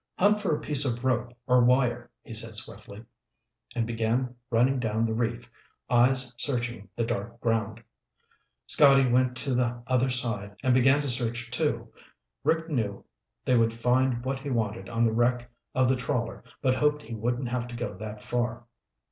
"Hunt for a piece of rope or wire," he said swiftly, and began running down the reef, eyes searching the dark ground. Scotty went to the other side and began to search, too. Rick knew they would find what he wanted on the wreck of the trawler but hoped he wouldn't have to go that far.